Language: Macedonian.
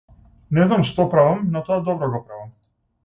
Не знам што правам но тоа добро го правам.